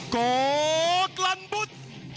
โกรธลันบุษ